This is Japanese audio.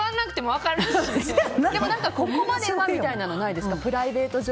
でも、ここまではみたいなのはないですか？